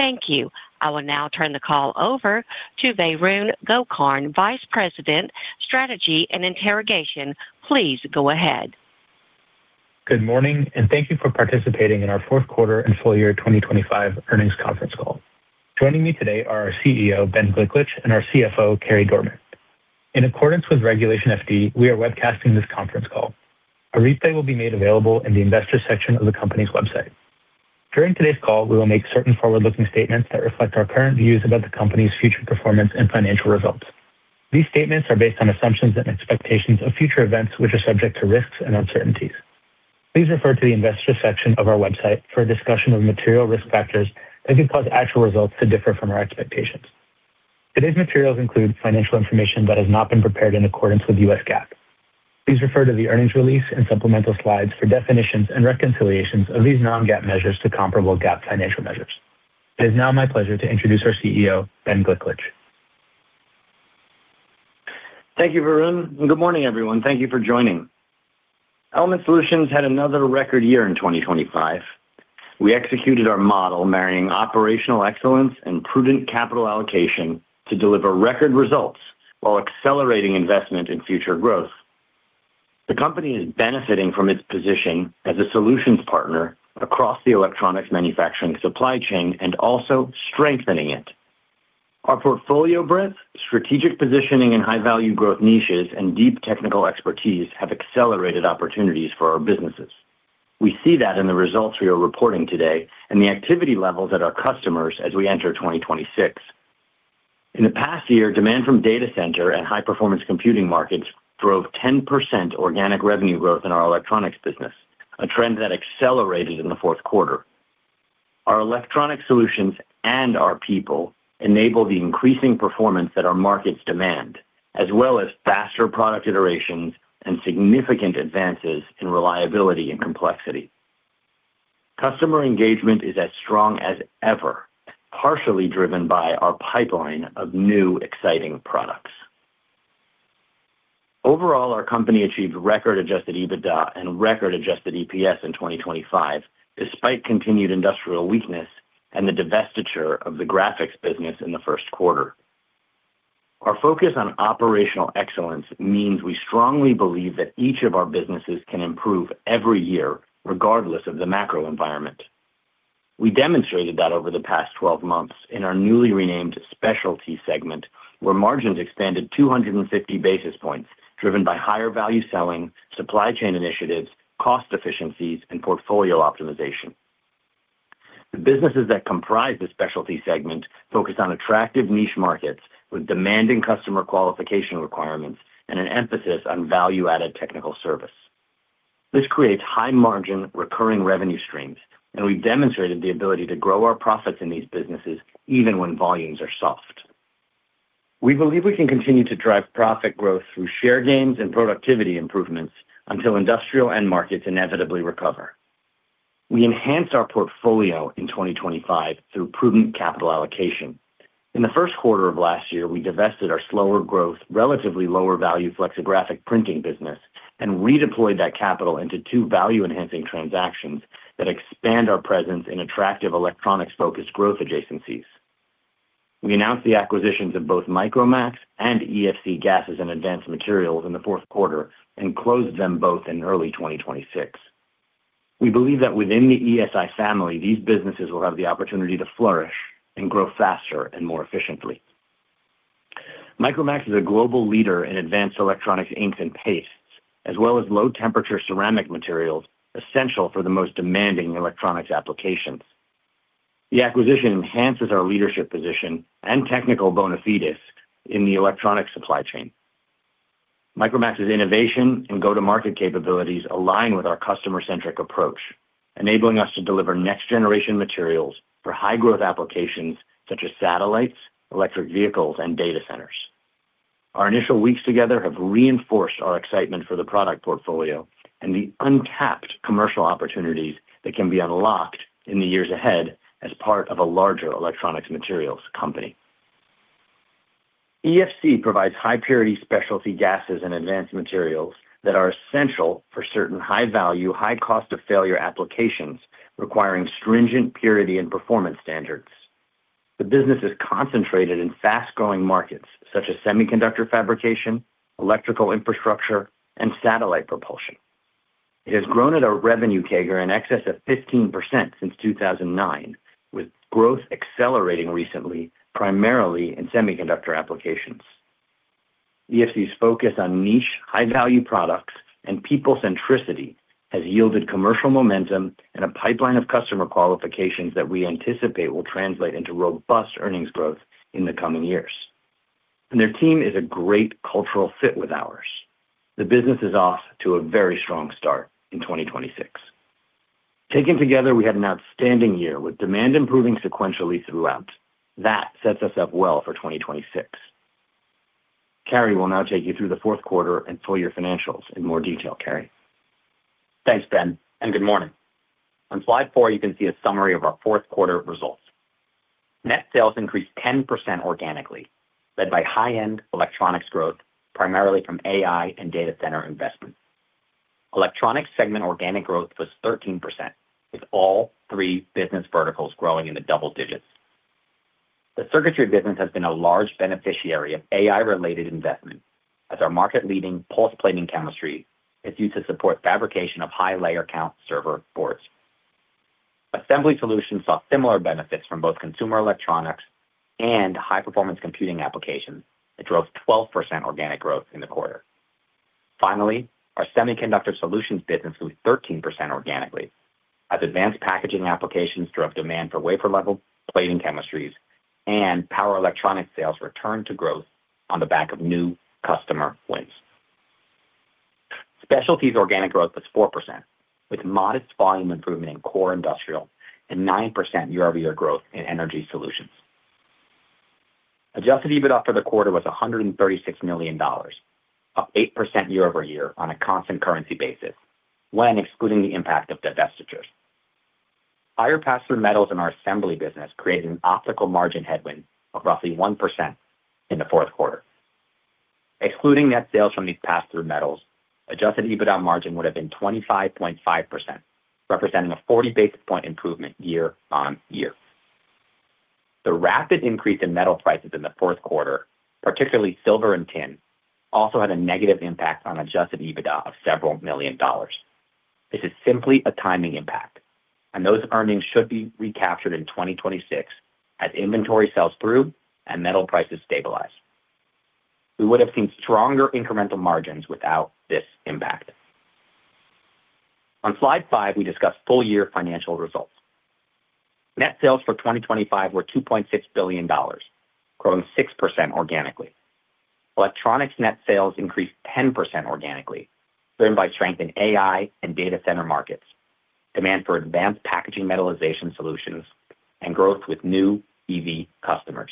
Thank you. I will now turn the call over to Varun Gokarn, Vice President, Strategy and Integration. Please go ahead. Good morning, and thank you for participating in our Q4 and full year 2025 earnings conference call. Joining me today are our CEO, Ben Gliklich, and our CFO, Carey Dorman. In accordance with Regulation FD, we are webcasting this conference call. A replay will be made available in the Investors section of the company's website. During today's call, we will make certain forward-looking statements that reflect our current views about the company's future performance and financial results. These statements are based on assumptions and expectations of future events, which are subject to risks and uncertainties. Please refer to the Investors section of our website for a discussion of material risk factors that could cause actual results to differ from our expectations. Today's materials include financial information that has not been prepared in accordance with US GAAP. Please refer to the earnings release and supplemental slides for definitions and reconciliations of these non-GAAP measures to comparable GAAP financial measures. It is now my pleasure to introduce our CEO, Ben Gliklich. Thank you, Varun, and good morning, everyone. Thank you for joining. Element Solutions had another record year in 2025. We executed our model, marrying operational excellence and prudent capital allocation to deliver record results while accelerating investment in future growth. The company is benefiting from its position as a solutions partner across the electronics manufacturing supply chain and also strengthening it. Our portfolio breadth, strategic positioning in high-value growth niches, and deep technical expertise have accelerated opportunities for our businesses. We see that in the results we are reporting today and the activity levels at our customers as we enter 2026. In the past year, demand from data center and high-performance computing markets drove 10% organic revenue growth in our electronics business, a trend that accelerated in the Q4. Our electronic solutions and our people enable the increasing performance that our markets demand, as well as faster product iterations and significant advances in reliability and complexity. Customer engagement is as strong as ever, partially driven by our pipeline of new, exciting products. Overall, our company achieved record adjusted EBITDA and record adjusted EPS in 2025, despite continued industrial weakness and the divestiture of the graphics business in the Q1. Our focus on operational excellence means we strongly believe that each of our businesses can improve every year, regardless of the macro environment. We demonstrated that over the past 12 months in our newly renamed Specialty segment, where margins expanded 250 basis points, driven by higher value selling, supply chain initiatives, cost efficiencies, and portfolio optimization. The businesses that comprise the Specialty segment focus on attractive niche markets with demanding customer qualification requirements and an emphasis on value-added technical service. This creates high-margin, recurring revenue streams, and we've demonstrated the ability to grow our profits in these businesses even when volumes are soft. We believe we can continue to drive profit growth through share gains and productivity improvements until industrial end markets inevitably recover. We enhanced our portfolio in 2025 through prudent capital allocation. In the Q3 of last year, we divested our slower-growth, relatively lower-value flexographic printing business and redeployed that capital into two value-enhancing transactions that expand our presence in attractive electronics-focused growth adjacencies. We announced the acquisitions of both MacDermid and ESI Gases and Advanced Materials in the Q4 and closed them both in early 2026. We believe that within the ESI family, these businesses will have the opportunity to flourish and grow faster and more efficiently. MacDermid is a global leader in advanced electronics inks and pastes, as well as low-temperature ceramic materials essential for the most demanding electronics applications. The acquisition enhances our leadership position and technical bona fides in the electronic supply chain. MacDermid's innovation and go-to-market capabilities align with our customer-centric approach, enabling us to deliver next-generation materials for high-growth applications such as satellites, electric vehicles, and data centers. Our initial weeks together have reinforced our excitement for the product portfolio and the untapped commercial opportunities that can be unlocked in the years ahead as part of a larger electronics materials company. ESI provides high-purity specialty gases and advanced materials that are essential for certain high-value, high-cost of failure applications requiring stringent purity and performance standards. The business is concentrated in fast-growing markets such as semiconductor fabrication, electrical infrastructure, and satellite propulsion. It has grown at a revenue CAGR in excess of 15% since 2009, with growth accelerating recently, primarily in semiconductor applications. ESI's focus on niche, high-value products and people centricity has yielded commercial momentum and a pipeline of customer qualifications that we anticipate will translate into robust earnings growth in the coming years. And their team is a great cultural fit with ours. The business is off to a very strong start in 2026. Taken together, we had an outstanding year, with demand improving sequentially throughout. That sets us up well for 2026. Carey will now take you through the Q4 and full year financials in more detail. Carey? Thanks, Ben, and good morning. On slide four, you can see a summary of our Q4 results. Net sales increased 10% organically, led by high-end electronics growth, primarily from AI and data center investments. Electronics segment organic growth was 13%, with all three business verticals growing in the double digits. The circuitry business has been a large beneficiary of AI-related investment, as our market-leading pulse plating chemistry is used to support fabrication of high layer count server boards. Assembly Solutions saw similar benefits from both consumer electronics and high-performance computing applications that drove 12% organic growth in the quarter. Finally, our Semiconductor Solutions business grew 13% organically, as advanced packaging applications drove demand for wafer-level plating chemistries and power electronic sales returned to growth on the back of new customer wins. Specialties organic growth was 4%, with modest volume improvement in core industrial and 9% year-over-year growth in energy solutions. Adjusted EBITDA for the quarter was $136 million, up 8% year-over-year on a constant currency basis, when excluding the impact of divestitures. Higher pass-through metals in our assembly business created an overall margin headwind of roughly 1% in the Q4. Excluding net sales from these pass-through metals, adjusted EBITDA margin would have been 25.5%, representing a 40 basis point improvement year-on-year. The rapid increase in metal prices in the Q4, particularly silver and tin, also had a negative impact on adjusted EBITDA of $several million. This is simply a timing impact, and those earnings should be recaptured in 2026 as inventory sells through and metal prices stabilize. We would have seen stronger incremental margins without this impact. On slide five, we discuss full-year financial results. Net sales for 2025 were $2.6 billion, growing 6% organically. Electronics net sales increased 10% organically, driven by strength in AI and data center markets, demand for advanced packaging metallization solutions, and growth with new EV customers.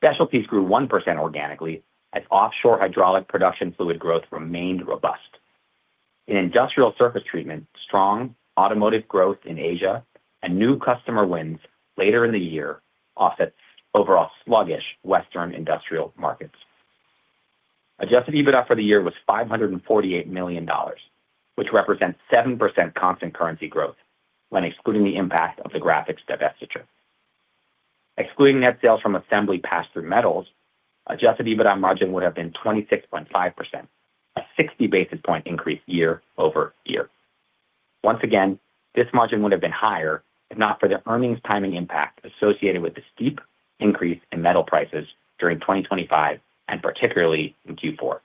Specialties grew 1% organically as offshore hydraulic production fluid growth remained robust. In industrial surface treatment, strong automotive growth in Asia and new customer wins later in the year offset overall sluggish Western industrial markets. Adjusted EBITDA for the year was $548 million, which represents 7% constant currency growth when excluding the impact of the graphics divestiture. Excluding net sales from assembly pass-through metals, adjusted EBITDA margin would have been 26.5%, a 60 basis point increase year-over-year. Once again, this margin would have been higher if not for the earnings timing impact associated with the steep increase in metal prices during 2025, and particularly in Q4.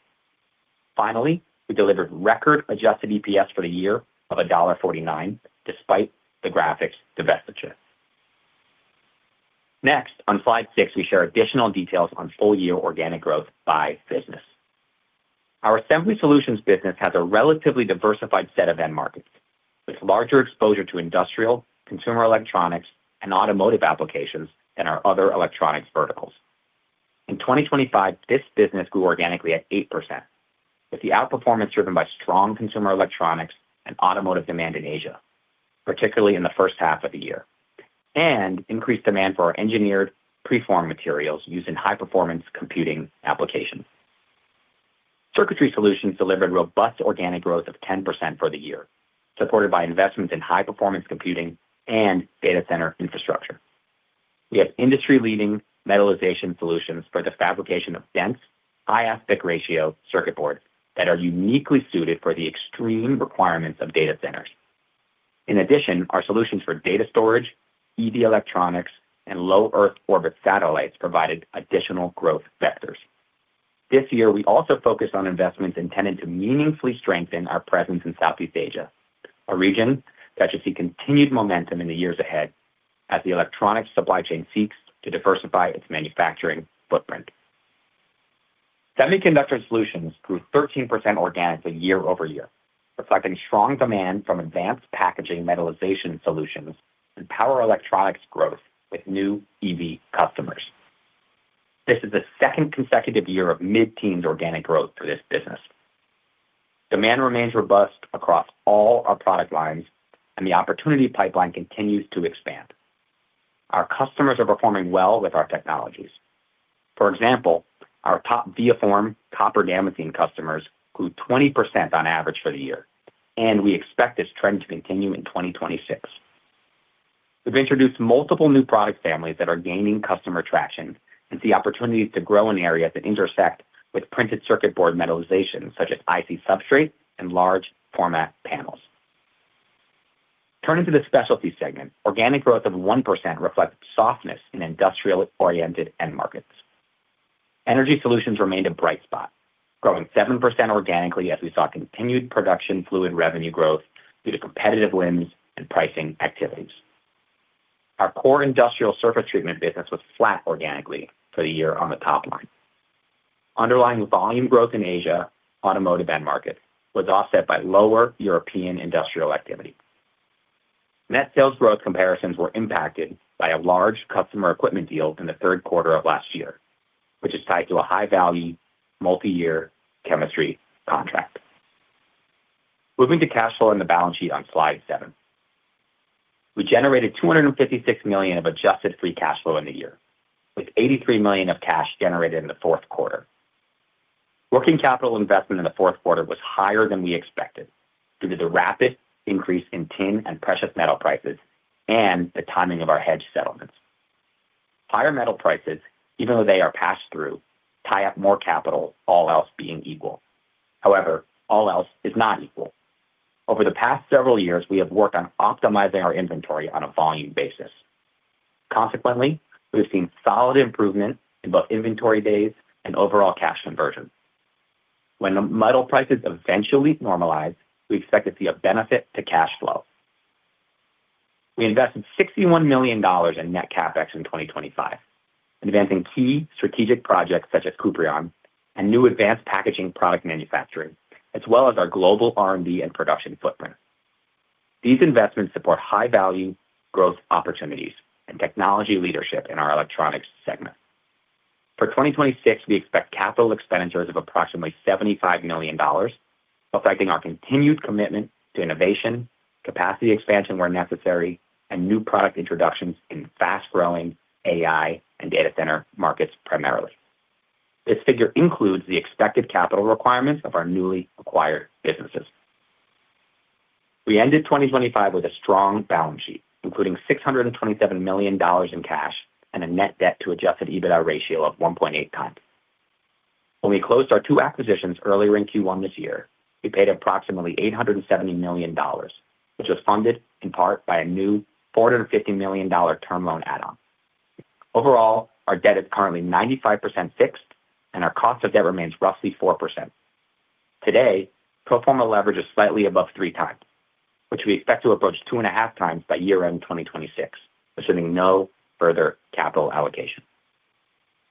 Finally, we delivered record adjusted EPS for the year of $1.49, despite the graphics divestiture. Next, on slide six, we share additional details on full year organic growth by business. Our Assembly Solutions business has a relatively diversified set of end markets, with larger exposure to industrial, consumer electronics, and automotive applications than our other electronics verticals. In 2025, this business grew organically at 8%, with the outperformance driven by strong consumer electronics and automotive demand in Asia, particularly in the first half of the year, and increased demand for our engineered preformed materials used in high-performance computing applications. Circuitry Solutions delivered robust organic growth of 10% for the year, supported by investments in high-performance computing and data center infrastructure. We have industry-leading metalization solutions for the fabrication of dense, high aspect ratio circuit boards that are uniquely suited for the extreme requirements of data centers. In addition, our solutions for data storage, EV electronics, and low Earth orbit satellites provided additional growth vectors. This year, we also focused on investments intended to meaningfully strengthen our presence in Southeast Asia, a region that should see continued momentum in the years ahead as the electronic supply chain seeks to diversify its manufacturing footprint. Semiconductor Solutions grew 13% organically year-over-year, reflecting strong demand from advanced packaging, metalization solutions and power electronics growth with new EV customers. This is the second consecutive year of mid-teens organic growth for this business. Demand remains robust across all our product lines, and the opportunity pipeline continues to expand. Our customers are performing well with our technologies. For example, our top ViaForm copper damascene customers grew 20% on average for the year, and we expect this trend to continue in 2026. We've introduced multiple new product families that are gaining customer traction and see opportunities to grow in areas that intersect with printed circuit board metalization, such as IC substrates and large format panels. Turning to the specialty segment, organic growth of 1% reflects softness in industrial-oriented end markets. Energy solutions remained a bright spot, growing 7% organically as we saw continued production fluid revenue growth due to competitive wins and pricing activities. Our core industrial surface treatment business was flat organically for the year on the top line. Underlying volume growth in Asia automotive end market was offset by lower European industrial activity. Net sales growth comparisons were impacted by a large customer equipment deal in the Q3 of last year, which is tied to a high-value, multi-year chemistry contract. Moving to cash flow and the balance sheet on slide seven. We generated $256 million of adjusted free cash flow in the year, with $83 million of cash generated in the Q4. Working capital investment in the Q4 was higher than we expected due to the rapid increase in tin and precious metal prices and the timing of our hedge settlements. Higher metal prices, even though they are passed through, tie up more capital, all else being equal. However, all else is not equal. Over the past several years, we have worked on optimizing our inventory on a volume basis. Consequently, we've seen solid improvement in both inventory days and overall cash conversion. When the metal prices eventually normalize, we expect to see a benefit to cash flow. We invested $61 million in net CapEx in 2025, advancing key strategic projects such as Kuprion and new advanced packaging product manufacturing, as well as our global R&D and production footprint. These investments support high-value growth opportunities and technology leadership in our electronics segment. For 2026, we expect capital expenditures of approximately $75 million, affecting our continued commitment to innovation, capacity expansion where necessary, and new product introductions in fast-growing AI and data center markets primarily. This figure includes the expected capital requirements of our newly acquired businesses. We ended 2025 with a strong balance sheet, including $627 million in cash and a net debt to Adjusted EBITDA ratio of 1.8 times. When we closed our two acquisitions earlier in Q1 this year, we paid approximately $870 million, which was funded in part by a new $450 million term loan add-on. Overall, our debt is currently 95% fixed, and our cost of debt remains roughly 4%. Today, pro forma leverage is slightly above three times, which we expect to approach 2.5x by year-end 2026, assuming no further capital allocation.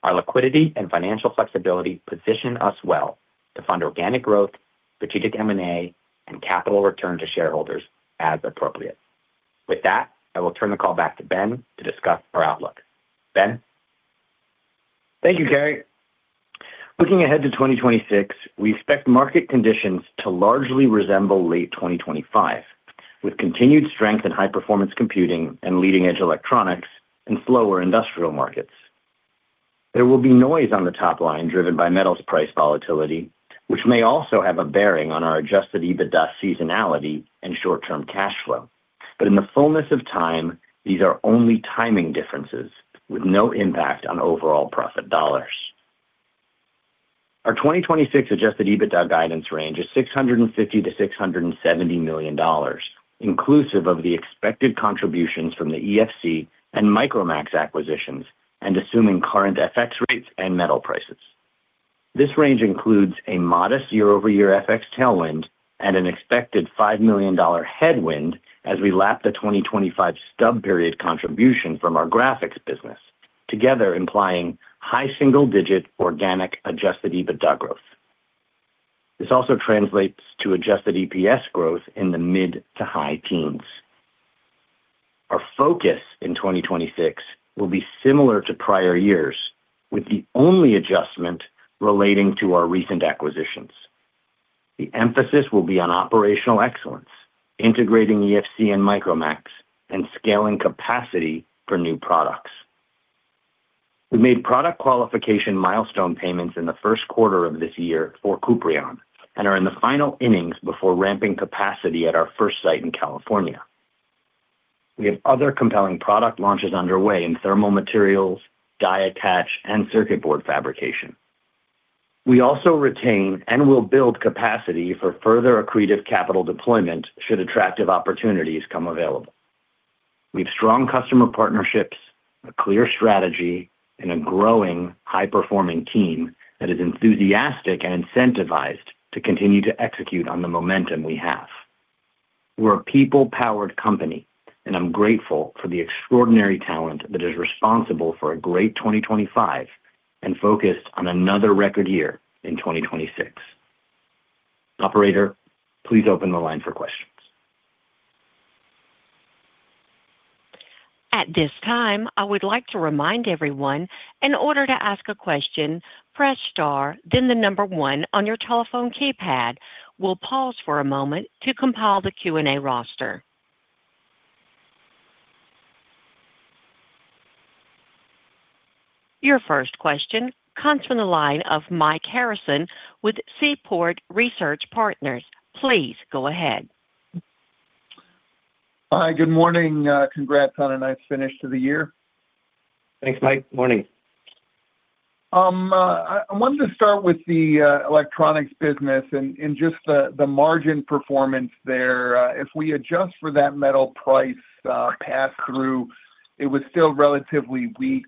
Our liquidity and financial flexibility position us well to fund organic growth, strategic M&A, and capital return to shareholders as appropriate. With that, I will turn the call back to Ben to discuss our outlook. Ben? Thank you, Carey. Looking ahead to 2026, we expect market conditions to largely resemble late 2025, with continued strength in high-performance computing and leading-edge electronics and slower industrial markets. There will be noise on the top line, driven by metals price volatility, which may also have a bearing on our Adjusted EBITDA seasonality and short-term cash flow. But in the fullness of time, these are only timing differences, with no impact on overall profit dollars. Our 2026 Adjusted EBITDA guidance range is $650 million-$670 million, inclusive of the expected contributions from the ESI and Micromax acquisitions, and assuming current FX rates and metal prices. This range includes a modest year-over-year FX tailwind and an expected $5 million headwind as we lap the 2025 stub period contribution from our graphics business, together implying high single-digit organic adjusted EBITDA growth. This also translates to adjusted EPS growth in the mid- to high-teens. Our focus in 2026 will be similar to prior years, with the only adjustment relating to our recent acquisitions. The emphasis will be on operational excellence, integrating ESI and Micromax and scaling capacity for new products. We made product qualification milestone payments in the Q1 of this year for Kuprion and are in the final innings before ramping capacity at our first site in California. We have other compelling product launches underway in thermal materials, die attach, and circuit board fabrication. We also retain and will build capacity for further accretive capital deployment should attractive opportunities come available. We have strong customer partnerships, a clear strategy, and a growing, high-performing team that is enthusiastic and incentivized to continue to execute on the momentum we have. We're a people-powered company, and I'm grateful for the extraordinary talent that is responsible for a great 2025 and focused on another record year in 2026. Operator, please open the line for questions. At this time, I would like to remind everyone, in order to ask a question, press star, then the number one on your telephone keypad. We'll pause for a moment to compile the Q&A roster. Your first question comes from the line of Mike Harrison with Seaport Research Partners. Please go ahead. Hi, good morning. Congrats on a nice finish to the year. Thanks, Mike. Morning. I wanted to start with the electronics business and just the margin performance there. If we adjust for that metal price pass-through, it was still relatively weak.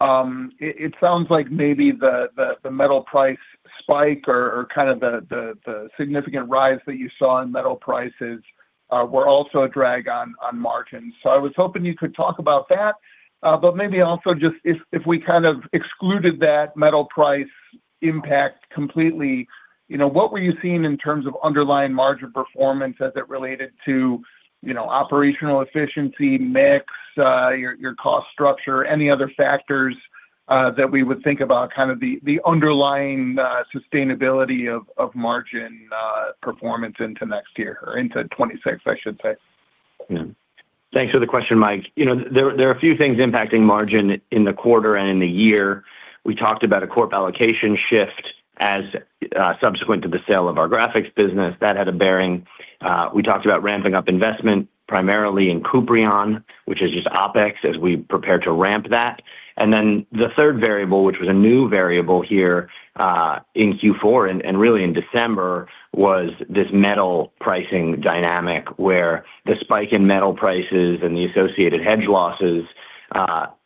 It sounds like maybe the metal price spike or kind of the significant rise that you saw in metal prices were also a drag on margins. So I was hoping you could talk about that, but maybe also just if we kind of excluded that metal price impact completely, you know, what were you seeing in terms of underlying margin performance as it related to, you know, operational efficiency, mix, your cost structure, any other factors?... that we would think about kind of the underlying sustainability of margin performance into next year, or into 2026, I should say? Yeah. Thanks for the question, Mike. You know, there are a few things impacting margin in the quarter and in the year. We talked about a corp allocation shift as subsequent to the sale of our graphics business. That had a bearing. We talked about ramping up investment, primarily in Kuprion, which is just OpEx, as we prepare to ramp that. And then the third variable, which was a new variable here in Q4, and really in December, was this metal pricing dynamic, where the spike in metal prices and the associated hedge losses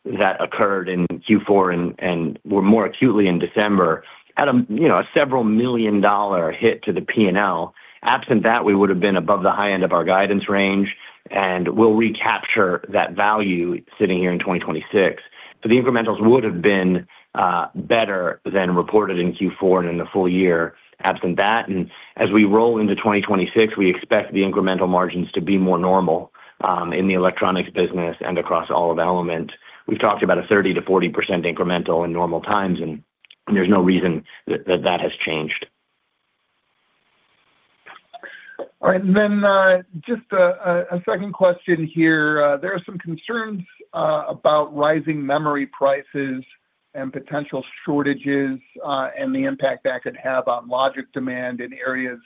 that occurred in Q4 and were more acutely in December, had a, you know, a $several million hit to the P&L. Absent that, we would've been above the high end of our guidance range, and we'll recapture that value sitting here in 2026. So the incrementals would've been better than reported in Q4 and in the full year, absent that. And as we roll into 2026, we expect the incremental margins to be more normal in the electronics business and across all of Element. We've talked about a 30% - 40% incremental in normal times, and, and there's no reason that, that, that has changed. All right. And then, just a second question here. There are some concerns about rising memory prices and potential shortages, and the impact that could have on logic demand in areas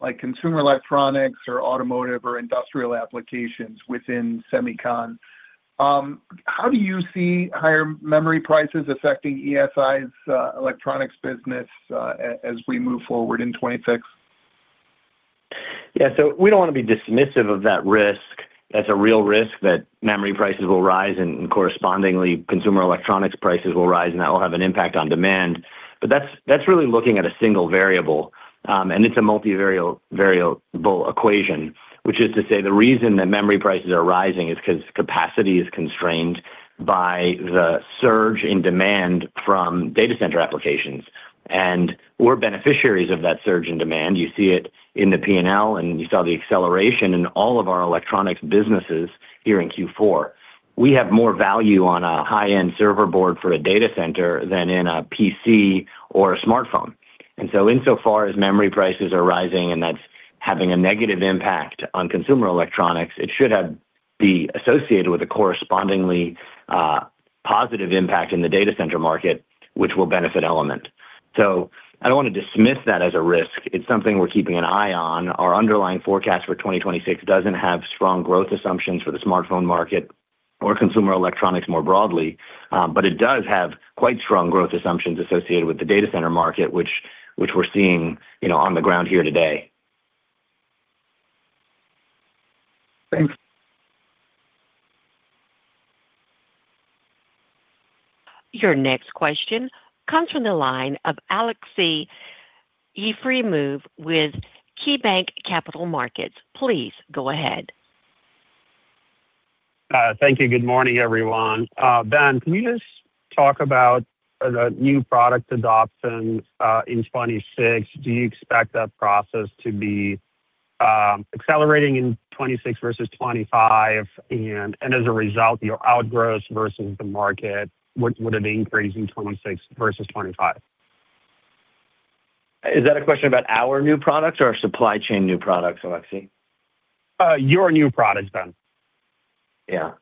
like consumer electronics or automotive or industrial applications within semicon. How do you see higher memory prices affecting ESI's electronics business, as we move forward in 2026? Yeah, so we don't wanna be dismissive of that risk. That's a real risk, that memory prices will rise, and correspondingly, consumer electronics prices will rise, and that will have an impact on demand. But that's, that's really looking at a single variable, and it's a multivariate variable equation, which is to say, the reason that memory prices are rising is 'cause capacity is constrained by the surge in demand from data center applications, and we're beneficiaries of that surge in demand. You see it in the P&L, and you saw the acceleration in all of our electronics businesses here in Q4. We have more value on a high-end server board for a data center than in a PC or a smartphone. And so insofar as memory prices are rising, and that's having a negative impact on consumer electronics, it should be associated with a correspondingly positive impact in the data center market, which will benefit Element. So I don't wanna dismiss that as a risk. It's something we're keeping an eye on. Our underlying forecast for 2026 doesn't have strong growth assumptions for the smartphone market or consumer electronics more broadly, but it does have quite strong growth assumptions associated with the data center market, which we're seeing, you know, on the ground here today. Thanks. Your next question comes from the line of Aleksey Yefremov with KeyBanc Capital Markets. Please go ahead. Thank you. Good morning, everyone. Ben, can you just talk about the new product adoption in 2026? Do you expect that process to be accelerating in 2026 versus 2025, and as a result, your outgrowths versus the market, would it increase in 2026 versus 2025? Is that a question about our new products or our supply chain new products, Aleksey Yefremov? Your new products, Ben. Yeah.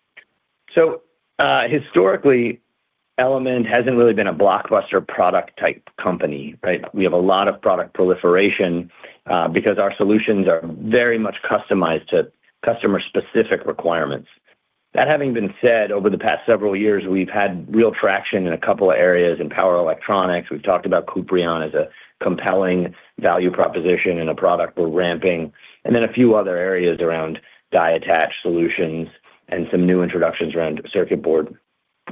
So, historically, Element hasn't really been a blockbuster product-type company, right? We have a lot of product proliferation, because our solutions are very much customized to customer-specific requirements. That having been said, over the past several years, we've had real traction in a couple of areas. In power electronics, we've talked about Kuprion as a compelling value proposition and a product we're ramping, and then a few other areas around die-attach solutions and some new introductions around circuit board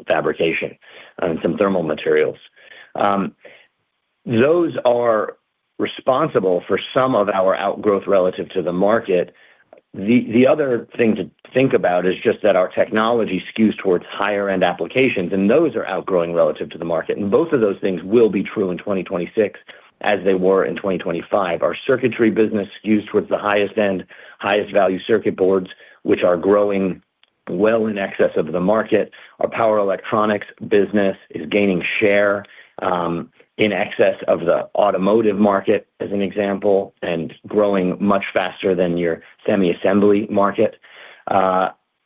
fabrication and some thermal materials. Those are responsible for some of our outgrowth relative to the market. The other thing to think about is just that our technology skews towards higher-end applications, and those are outgrowing relative to the market, and both of those things will be true in 2026, as they were in 2025. Our circuitry business skews towards the highest end, highest value circuit boards, which are growing well in excess of the market. Our power electronics business is gaining share, in excess of the automotive market, as an example, and growing much faster than your semi-assembly market.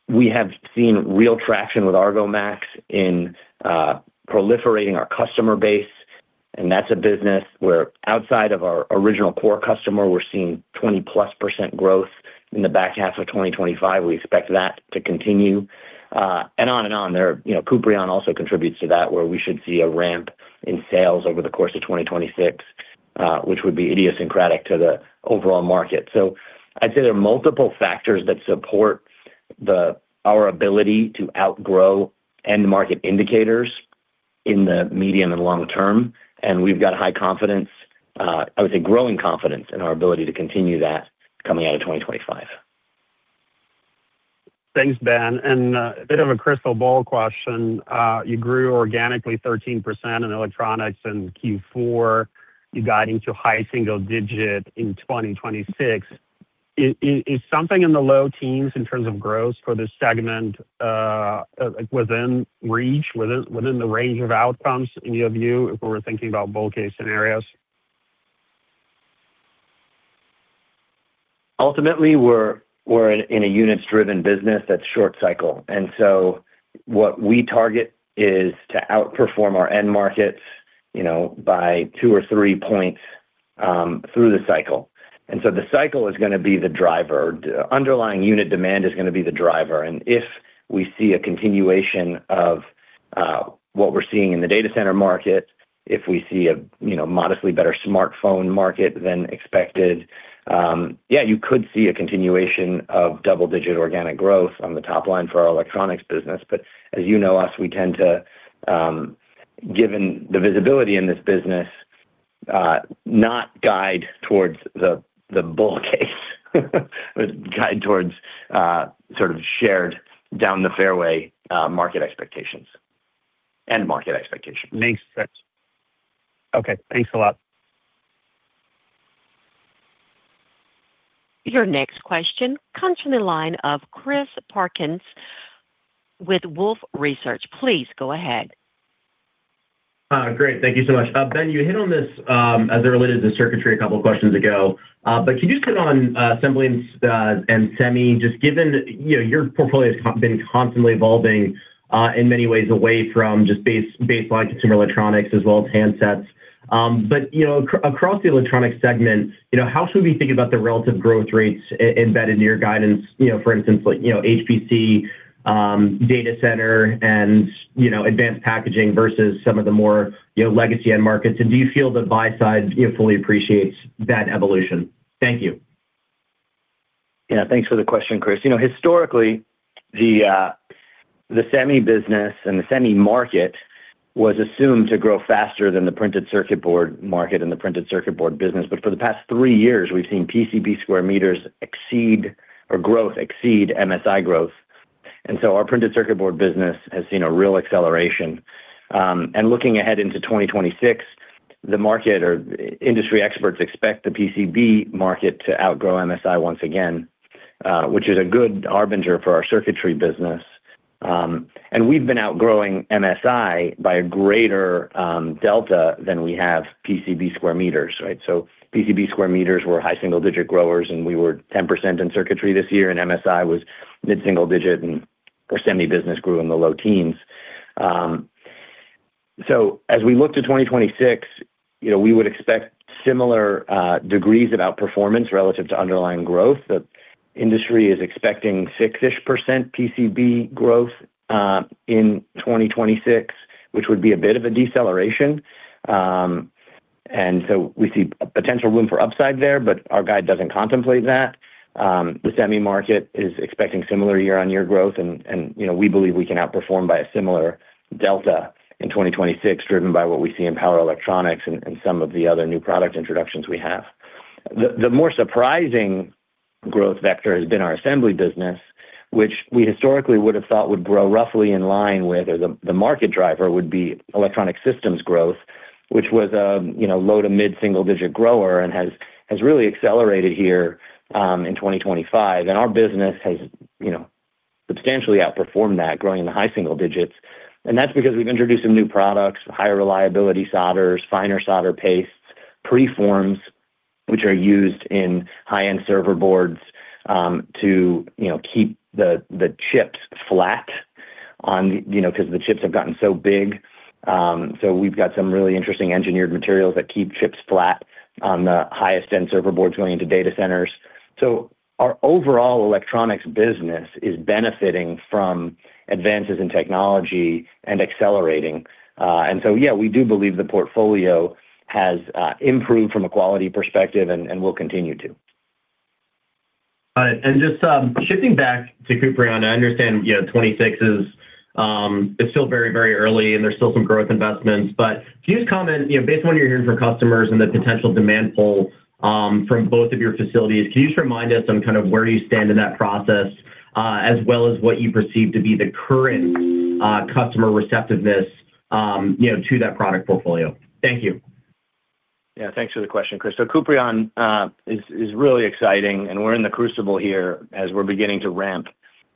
We have seen real traction with Argomax in proliferating our customer base, and that's a business where outside of our original core customer, we're seeing 20-plus% growth in the back half of 2025. We expect that to continue, and on and on. You know, Kuprion also contributes to that, where we should see a ramp in sales over the course of 2026, which would be idiosyncratic to the overall market. So I'd say there are multiple factors that support our ability to outgrow end market indicators in the medium and long term, and we've got high confidence, I would say growing confidence in our ability to continue that coming out of 2025. Thanks, Ben. And, a bit of a crystal ball question: You grew organically 13% in electronics in Q4. You guiding to high single digit in 2026.... Is something in the low teens in terms of growth for this segment within reach, within the range of outcomes in your view, if we're thinking about bull case scenarios? Ultimately, we're in a units-driven business that's short cycle. And so what we target is to outperform our end markets, you know, by two or three points through the cycle. And so the cycle is gonna be the driver. The underlying unit demand is gonna be the driver. And if we see a continuation of what we're seeing in the data center market, if we see a, you know, modestly better smartphone market than expected, yeah, you could see a continuation of double-digit organic growth on the top line for our electronics business. But as you know us, we tend to, given the visibility in this business, not guide towards the bull case, but guide towards, sort of shared down the fairway, market expectations—end market expectations. Makes sense. Okay, thanks a lot. Your next question comes from the line of Chris Parkinson with Wolfe Research. Please go ahead. Great. Thank you so much. Ben, you hit on this, as it related to the circuitry a couple of questions ago, but can you speak on, assembly and semi, just given, you know, your portfolio has been constantly evolving, in many ways away from just baseline consumer electronics as well as handsets. But, you know, across the electronic segment, you know, how should we think about the relative growth rates embedded in your guidance? You know, for instance, like, you know, HPC, data center, and, you know, advanced packaging versus some of the more, you know, legacy end markets. And do you feel the buy side, you know, fully appreciates that evolution? Thank you. Yeah, thanks for the question, Chris. You know, historically, the the semi business and the semi market was assumed to grow faster than the printed circuit board market and the printed circuit board business. But for the past three years, we've seen PCB square meters exceed or growth exceed MSI growth, and so our printed circuit board business has seen a real acceleration. And looking ahead into 2026, the market or industry experts expect the PCB market to outgrow MSI once again, which is a good harbinger for our circuitry business. And we've been outgrowing MSI by a greater delta than we have PCB square meters, right? So PCB square meters were high single-digit growers, and we were 10% in circuitry this year, and MSI was mid-single digit, and our semi business grew in the low teens. So as we look to 2026, you know, we would expect similar degrees of outperformance relative to underlying growth. The industry is expecting 6-ish% PCB growth in 2026, which would be a bit of a deceleration. And so we see a potential room for upside there, but our guide doesn't contemplate that. The semi market is expecting similar year-on-year growth, and you know, we believe we can outperform by a similar delta in 2026, driven by what we see in power electronics and some of the other new product introductions we have. The more surprising growth vector has been our assembly business, which we historically would have thought would grow roughly in line with or the market driver would be electronic systems growth, which was a, you know, low- to mid-single-digit grower and has really accelerated here in 2025. And our business has, you know, substantially outperformed that, growing in the high single digits. And that's because we've introduced some new products, higher reliability solders, finer solder pastes, preforms, which are used in high-end server boards to, you know, keep the chips flat on the... You know, because the chips have gotten so big. So we've got some really interesting engineered materials that keep chips flat on the highest-end server boards going into data centers. So our overall electronics business is benefiting from advances in technology and accelerating. And so, yeah, we do believe the portfolio has improved from a quality perspective and will continue to. And just, shifting back to Kuprion, I understand, you know, 2026 is, it's still very, very early, and there's still some growth investments, but can you just comment, you know, based on what you're hearing from customers and the potential demand pull, from both of your facilities, can you just remind us on kind of where you stand in that process, as well as what you perceive to be the current, customer receptiveness, you know, to that product portfolio? Thank you. Yeah, thanks for the question, Chris. So Kuprion is really exciting, and we're in the crucible here as we're beginning to ramp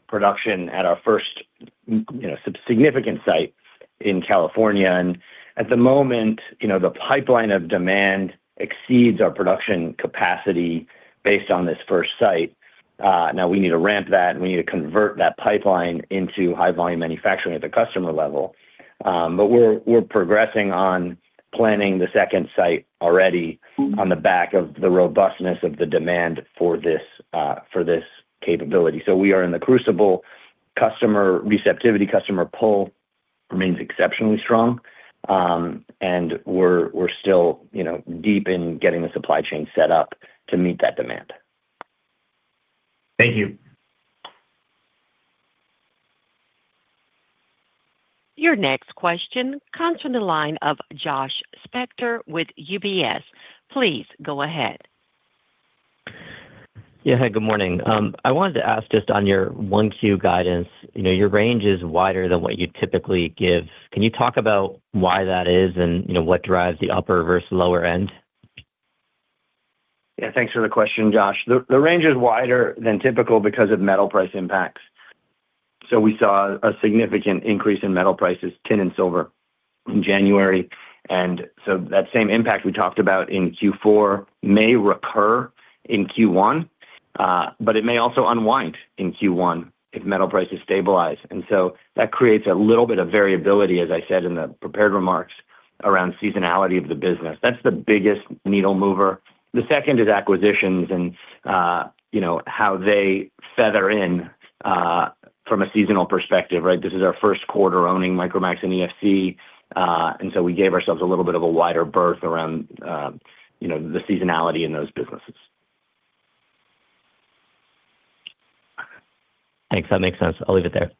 production at our first, you know, significant site in California. And at the moment, you know, the pipeline of demand exceeds our production capacity based on this first site. Now we need to ramp that, and we need to convert that pipeline into high volume manufacturing at the customer level. But we're progressing on planning the second site already on the back of the robustness of the demand for this capability. So we are in the crucible. Customer receptivity, customer pull remains exceptionally strong. And we're still, you know, deep in getting the supply chain set up to meet that demand. Thank you. Your next question comes from the line of Josh Spector with UBS. Please go ahead. Yeah, hi, good morning. I wanted to ask just on your Q1 guidance, you know, your range is wider than what you typically give. Can you talk about why that is and, you know, what drives the upper versus lower end?... Yeah, thanks for the question, Josh. The range is wider than typical because of metal price impacts. So we saw a significant increase in metal prices, tin and silver in January. And so that same impact we talked about in Q4 may recur in Q1, but it may also unwind in Q1 if metal prices stabilize. And so that creates a little bit of variability, as I said in the prepared remarks, around seasonality of the business. That's the biggest needle mover. The second is acquisitions and, you know, how they feather in, from a seasonal perspective, right? This is our Q1 owning Micromax and ESI, and so we gave ourselves a little bit of a wider berth around, you know, the seasonality in those businesses. Thanks. That makes sense. I'll leave it there.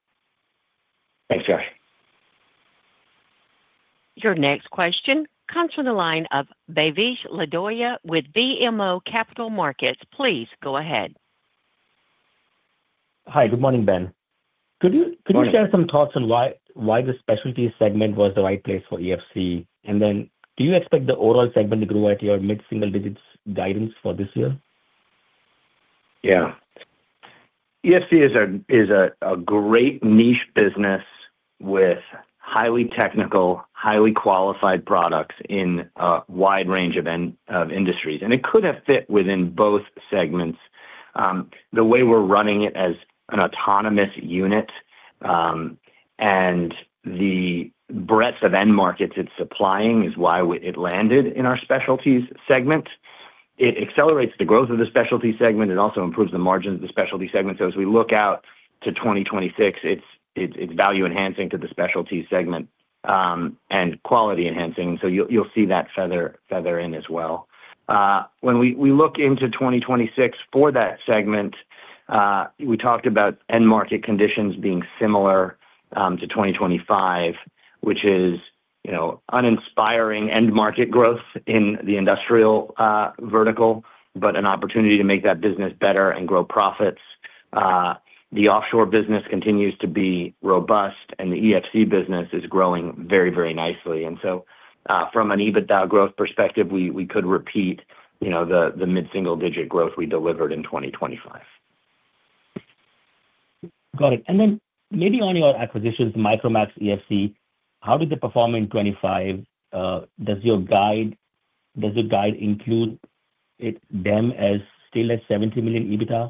Thanks, Josh. Your next question comes from the line of Bhavesh Lodaya with BMO Capital Markets. Please go ahead. Hi. Good morning, Ben. Good morning. Could you share some thoughts on why the specialty segment was the right place for ESI? And then do you expect the overall segment to grow at your mid-single digits guidance for this year? Yeah. ESI is a great niche business with highly technical, highly qualified products in a wide range of end markets of industries, and it could have fit within both segments. The way we're running it as an autonomous unit, and the breadth of end markets it's supplying is why it landed in our specialties segment. It accelerates the growth of the specialty segment and also improves the margins of the specialty segment. So as we look out to 2026, it's value enhancing to the specialty segment, and quality enhancing. So you'll see that feather in as well. When we, we look into 2026 for that segment, we talked about end market conditions being similar to 2025, which is, you know, uninspiring end market growth in the industrial vertical, but an opportunity to make that business better and grow profits. The offshore business continues to be robust, and the ESI business is growing very, very nicely. And so, from an EBITDA growth perspective, we, we could repeat, you know, the, the mid-single-digit growth we delivered in 2025. Got it. And then maybe on your acquisitions, Micromax, ESI, how did they perform in 2025? Does your guide include them as still at $70 million EBITDA?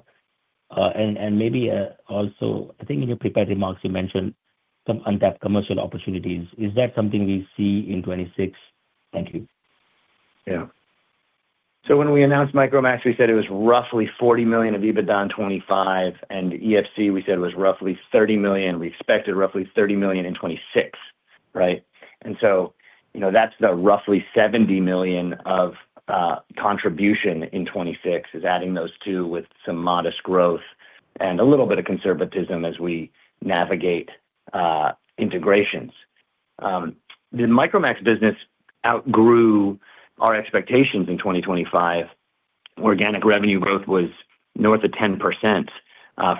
And maybe also, I think in your prepared remarks, you mentioned some untapped commercial opportunities. Is that something we see in 2026? Thank you. Yeah. So when we announced Micromax, we said it was roughly $40 million of EBITDA in 2025, and ESI, we said it was roughly $30 million. We expected roughly $30 million in 2026, right? And so, you know, that's the roughly $70 million of contribution in 2026, is adding those two with some modest growth and a little bit of conservatism as we navigate integrations. The Micromax business outgrew our expectations in 2025. Organic revenue growth was north of 10%,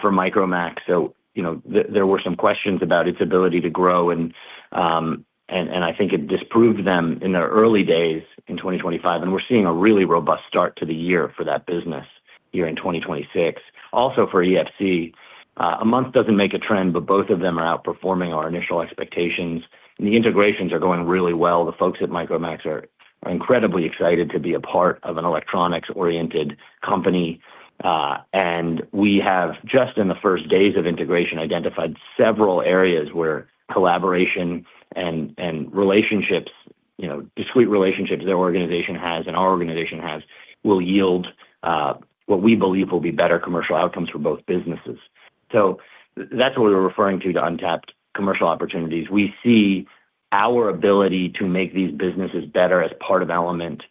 for Micromax. So, you know, there were some questions about its ability to grow, and I think it disproved them in the early days in 2025, and we're seeing a really robust start to the year for that business year in 2026. Also for ESI, a month doesn't make a trend, but both of them are outperforming our initial expectations, and the integrations are going really well. The folks at Micromax are incredibly excited to be a part of an electronics-oriented company, and we have, just in the first days of integration, identified several areas where collaboration and relationships, you know, discrete relationships their organization has and our organization has, will yield what we believe will be better commercial outcomes for both businesses. So that's what we're referring to, to untapped commercial opportunities. We see our ability to make these businesses better as part of Element,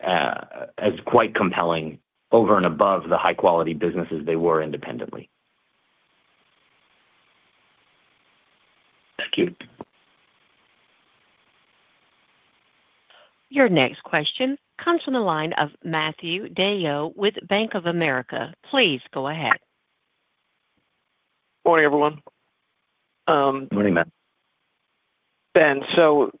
as quite compelling over and above the high-quality businesses they were independently. Thank you. Your next question comes from the line of Matthew DeYoe with Bank of America. Please go ahead. Morning, everyone, Morning, Matt. Ben, so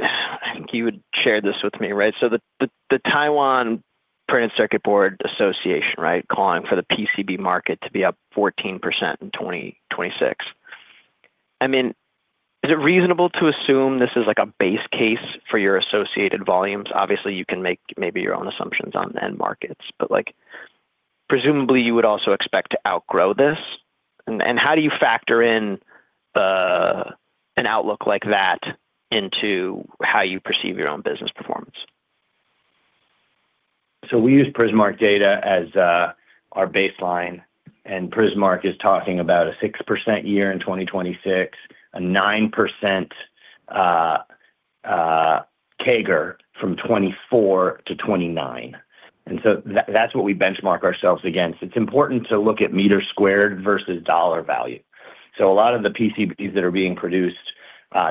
I think you would share this with me, right? So the Taiwan Printed Circuit Board Association, right, calling for the PCB market to be up 14% in 2026. I mean, is it reasonable to assume this is like a base case for your associated volumes? Obviously, you can make maybe your own assumptions on end markets, but, like, presumably, you would also expect to outgrow this. And how do you factor in an outlook like that into how you perceive your own business performance? So we use Prismark data as our baseline, and Prismark is talking about a 6% year in 2026, a 9% CAGR from 2024 to 2029. And so that's what we benchmark ourselves against. It's important to look at meter squared versus dollar value. So a lot of the PCBs that are being produced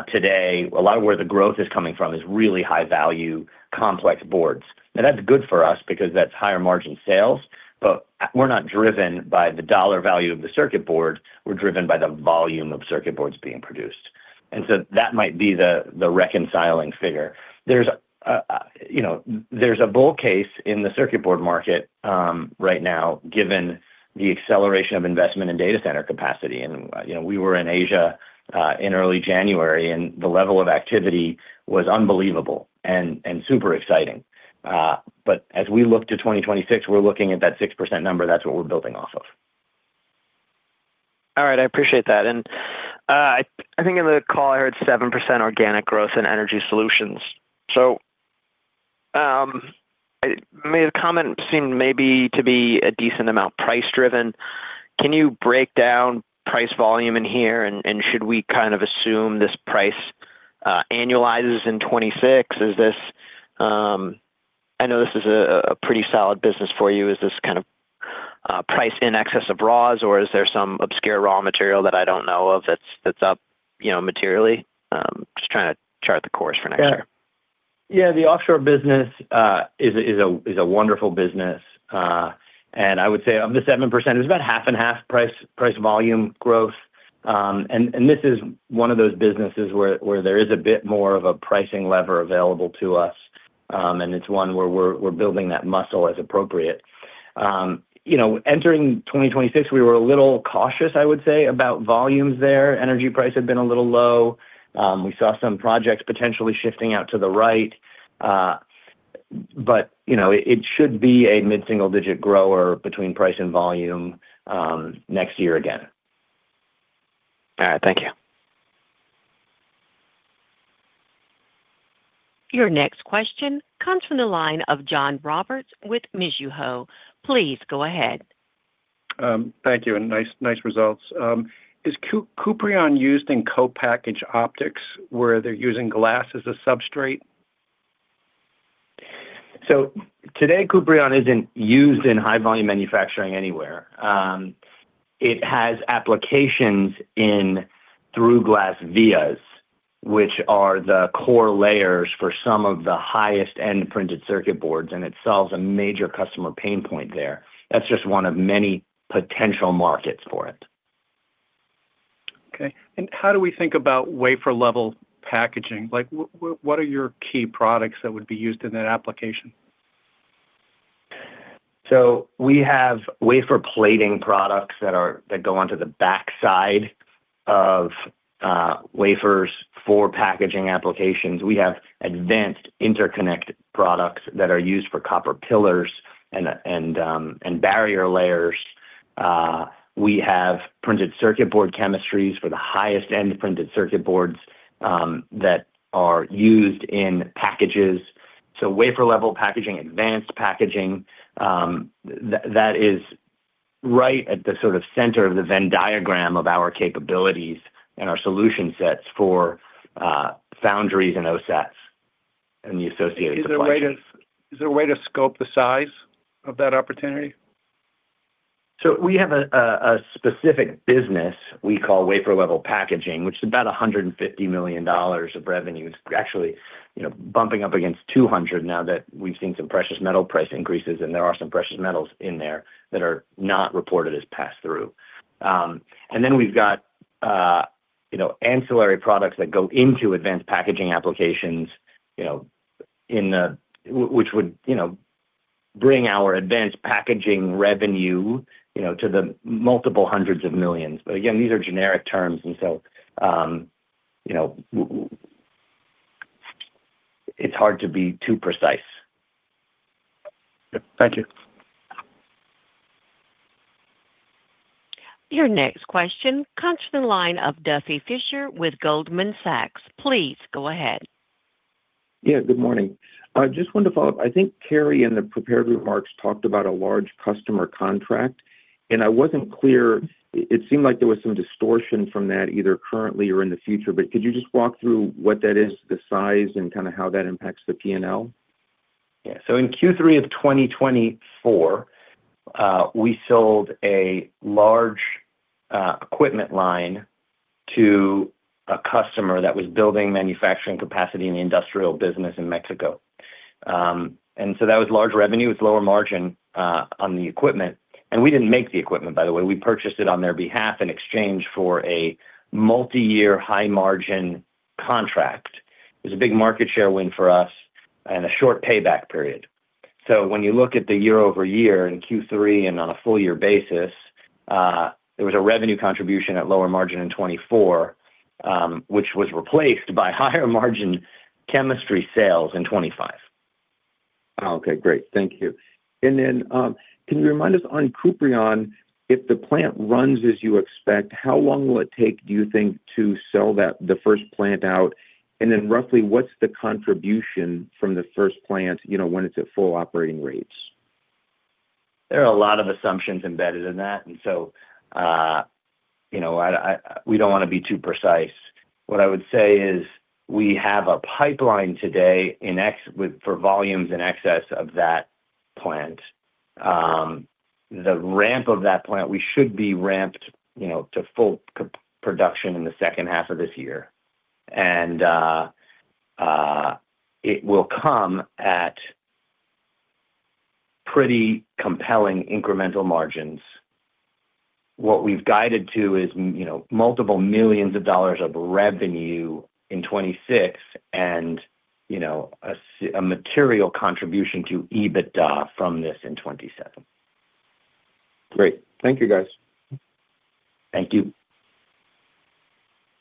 today, a lot of where the growth is coming from is really high-value, complex boards. Now, that's good for us because that's higher margin sales, but we're not driven by the dollar value of the circuit board. We're driven by the volume of circuit boards being produced. And so that might be the reconciling figure. There's a, you know, there's a bull case in the circuit board market right now, given the acceleration of investment in data center capacity. You know, we were in Asia in early January, and the level of activity was unbelievable and super exciting. But as we look to 2026, we're looking at that 6% number. That's what we're building off of. All right. I appreciate that. And, I, I think in the call I heard 7% organic growth in energy solutions. So, maybe the comment seemed maybe to be a decent amount price-driven. Can you break down price volume in here, and, and should we kind of assume this price, annualizes in 2026? Is this, I know this is a, a pretty solid business for you. Is this kind of, price in excess of raws, or is there some obscure raw material that I don't know of that's, that's up, you know, materially? Just trying to chart the course for next year. Yeah. Yeah, the offshore business is a wonderful business, and I would say of the 7%, it's about half and half price volume growth. And this is one of those businesses where there is a bit more of a pricing lever available to us, and it's one where we're building that muscle as appropriate. You know, entering 2026, we were a little cautious, I would say, about volumes there. Energy price had been a little low. We saw some projects potentially shifting out to the right, but you know, it should be a mid-single-digit grower between price and volume next year again. All right. Thank you. Your next question comes from the line of John Roberts with Mizuho. Please go ahead. Thank you, and nice, nice results. Is Kuprion used in co-packaged optics, where they're using glass as a substrate? So today, Kuprion isn't used in high-volume manufacturing anywhere. It has applications in through-glass vias, which are the core layers for some of the highest-end printed circuit boards, and it solves a major customer pain point there. That's just one of many potential markets for it. Okay. And how do we think about Wafer-Level Packaging? Like, what, what, what are your key products that would be used in that application? So we have wafer plating products that go onto the backside of wafers for packaging applications. We have advanced interconnect products that are used for copper pillars and barrier layers. We have printed circuit board chemistries for the highest-end printed circuit boards that are used in packages. So wafer-level packaging, advanced packaging, that is right at the sort of center of the Venn diagram of our capabilities and our solution sets for foundries and OSATs and the associated- Is there a way to scope the size of that opportunity? We have a specific business we call wafer-level packaging, which is about $150 million of revenue. It's actually, you know, bumping up against $200 million now that we've seen some precious metal price increases, and there are some precious metals in there that are not reported as pass-through. You know, we've got, you know, ancillary products that go into advanced packaging applications, you know, which would, you know, bring our advanced packaging revenue, you know, to the multiple hundreds of millions. Again, these are generic terms, and so, you know, it's hard to be too precise. Yep. Thank you. Your next question comes from the line of Duffy Fischer with Goldman Sachs. Please go ahead. Yeah, good morning. I just wanted to follow up. I think Carey, in the prepared remarks, talked about a large customer contract, and I wasn't clear. It, it seemed like there was some distortion from that, either currently or in the future. But could you just walk through what that is, the size, and kind of how that impacts the P&L? Yeah. So in Q3 of 2024, we sold a large equipment line to a customer that was building manufacturing capacity in the industrial business in Mexico. And so that was large revenue with lower margin on the equipment, and we didn't make the equipment, by the way. We purchased it on their behalf in exchange for a multiyear high-margin contract. It was a big market share win for us and a short payback period. So when you look at the year-over-year in Q3 and on a full year basis, there was a revenue contribution at lower margin in 2024, which was replaced by higher margin chemistry sales in 2025. Okay, great. Thank you. And then, can you remind us on Kuprion, if the plant runs as you expect, how long will it take, do you think, to sell that, the first plant out? And then roughly, what's the contribution from the first plant, you know, when it's at full operating rates? There are a lot of assumptions embedded in that, and so, you know, we don't want to be too precise. What I would say is we have a pipeline today for volumes in excess of that plant. The ramp of that plant, we should be ramped, you know, to full production in the second half of this year. It will come at pretty compelling incremental margins. What we've guided to is, you know, $ multiple millions of revenue in 2026, and, you know, a material contribution to EBITDA from this in 2027. Great. Thank you, guys. Thank you.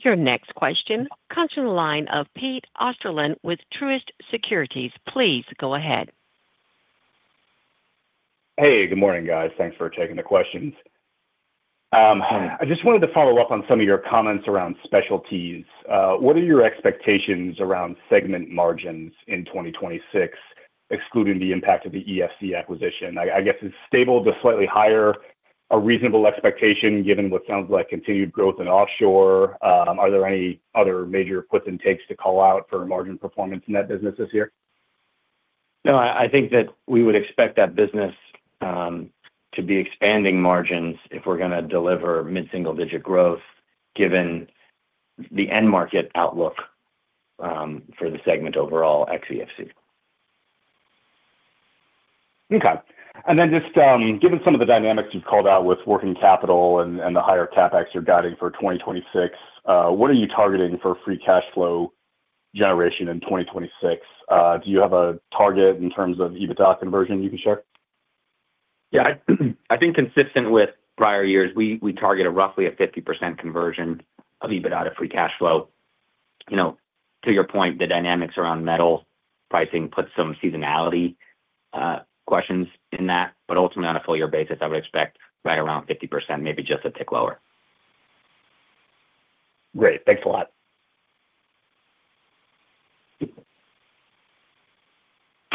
Your next question comes from the line of Pete Osterland with Truist Securities. Please go ahead. Hey, good morning, guys. Thanks for taking the questions. I just wanted to follow up on some of your comments around specialties. What are your expectations around segment margins in 2026, excluding the impact of the ESI acquisition? I guess stable to slightly higher is a reasonable expectation, given what sounds like continued growth in offshore. Are there any other major puts and takes to call out for margin performance in that business this year? No, I, I think that we would expect that business to be expanding margins if we're gonna deliver mid-single-digit growth, given the end market outlook for the segment overall, ex ESI. Okay. And then just, given some of the dynamics you've called out with working capital and the higher CapEx you're guiding for 2026, what are you targeting for free cash flow generation in 2026? Do you have a target in terms of EBITDA conversion you can share? Yeah. I think consistent with prior years, we target a roughly a 50% conversion of EBITDA to free cash flow. You know, to your point, the dynamics around metal pricing puts some seasonality, questions in that, but ultimately, on a full year basis, I would expect right around 50%, maybe just a tick lower. Great. Thanks a lot.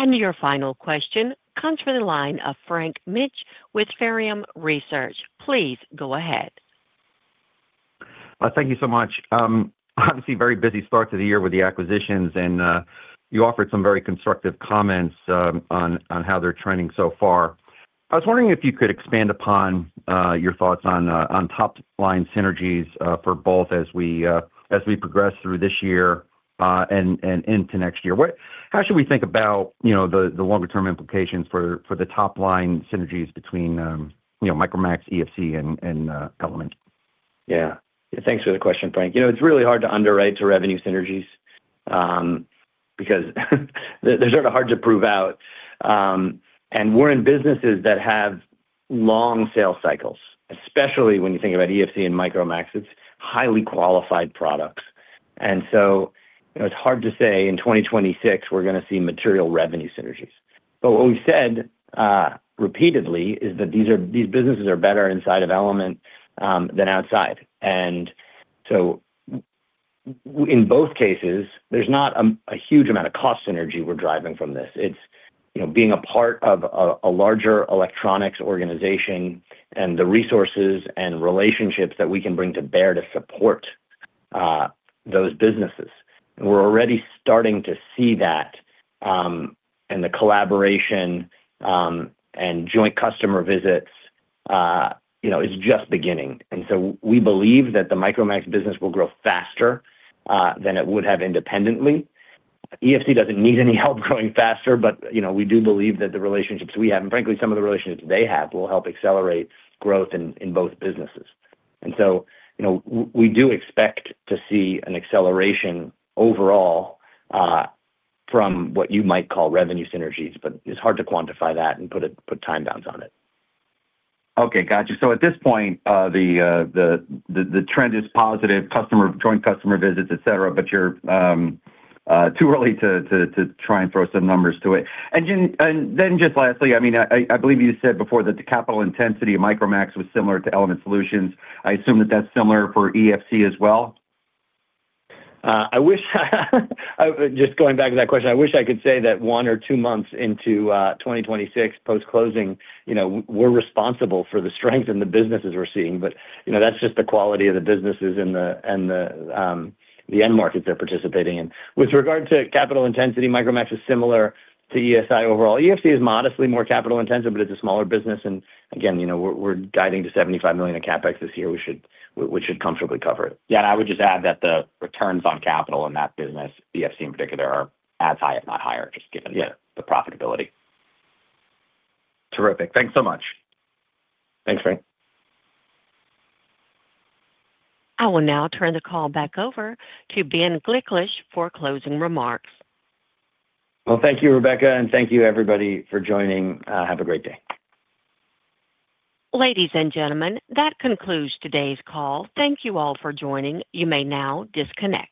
Your final question comes from the line of Frank Mitsch with Fermium Research. Please go ahead. Thank you so much. Obviously, very busy start to the year with the acquisitions, and you offered some very constructive comments on how they're trending so far. I was wondering if you could expand upon your thoughts on top-line synergies for both as we progress through this year and into next year. How should we think about, you know, the longer-term implications for the top-line synergies between, you know, Micromax, ESI, and Element? Yeah. Thanks for the question, Frank. You know, it's really hard to underwrite to revenue synergies, because they're sort of hard to prove out. And we're in businesses that have long sales cycles, especially when you think about ESI and Micromax. It's highly qualified products. And so it's hard to say in 2026, we're gonna see material revenue synergies. But what we've said, repeatedly is that these are- these businesses are better inside of Element, than outside. And so in both cases, there's not a huge amount of cost synergy we're driving from this. It's, you know, being a part of a larger electronics organization and the resources and relationships that we can bring to bear to support, those businesses. We're already starting to see that, and the collaboration, and joint customer visits, you know, is just beginning. And so we believe that the Micromax business will grow faster than it would have independently. ESI doesn't need any help growing faster, but, you know, we do believe that the relationships we have, and frankly, some of the relationships they have, will help accelerate growth in both businesses. And so, you know, we do expect to see an acceleration overall from what you might call revenue synergies, but it's hard to quantify that and put time bounds on it. Okay, got you. So at this point, the trend is positive, customer joint customer visits, et cetera, but you're too early to try and throw some numbers to it. And then just lastly, I mean, I believe you said before that the capital intensity of Micromax was similar to Element Solutions. I assume that that's similar for ESI as well? I wish. Just going back to that question, I wish I could say that one or two months into 2026, post-closing, you know, we're responsible for the strength in the businesses we're seeing. But you know, that's just the quality of the businesses and the end markets they're participating in. With regard to capital intensity, Micromax is similar to ESI overall. ESI is modestly more capital-intensive, but it's a smaller business, and again, you know, we're guiding to $75 million in CapEx this year. We should comfortably cover it. Yeah, and I would just add that the returns on capital in that business, ESI in particular, are as high, if not higher, just given- Yeah... the profitability. Terrific. Thanks so much. Thanks, Frank. I will now turn the call back over to Ben Gliklich for closing remarks. Well, thank you, Rebecca, and thank you, everybody, for joining. Have a great day. Ladies and gentlemen, that concludes today's call. Thank you all for joining. You may now disconnect.